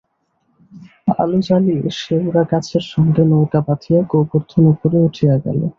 আলো জ্বালিয়া শ্যাওড়াগাছের সঙ্গে নৌকা বাধিয়া গোবর্ধন উপরে উঠিয়া গেল।